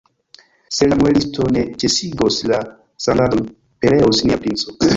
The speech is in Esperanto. Se la muelisto ne ĉesigos la sangadon, pereos nia princo!